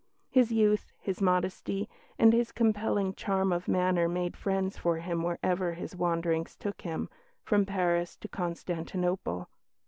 His youth, his modesty, and his compelling charm of manner made friends for him wherever his wanderings took him, from Paris to Constantinople.